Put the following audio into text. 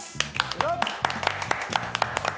よっ。